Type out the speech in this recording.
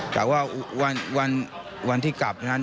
แต่ว่าวันที่กลับ